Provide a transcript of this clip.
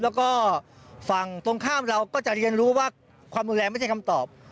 แล้วก็ฝั่งตรงข้ามเราก็จะเรียนรู้ว่าความรุนแรงไม่ใช่คำตอบ